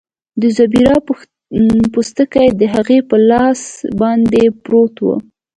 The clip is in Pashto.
د زیبرا پوستکی د هغه په لاس باندې پروت و